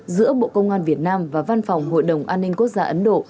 giữa bộ công an việt nam và văn phòng hội đồng an ninh quốc gia ấn độ